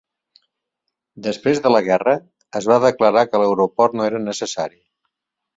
Després de la guerra, es va declarar que l'aeroport no era necessari.